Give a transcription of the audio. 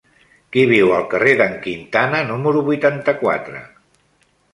Qui viu al carrer d'en Quintana número vuitanta-quatre?